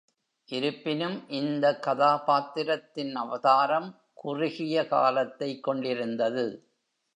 இருப்பினும், இந்த கதாபாத்திரத்தின் அவதாரம் குறுகிய காலத்தை கொண்டிருந்தது.